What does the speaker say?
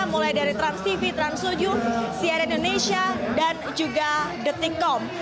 mulai dari transtv transujung sian indonesia dan juga the tinkom